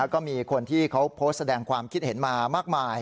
ก็มีคนที่เขาโพสต์แสดงความคิดเห็นมามากมาย